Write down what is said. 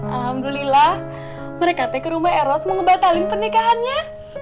alhamdulillah mereka tuh ke rumah eros mau ngebatalin pernikahannya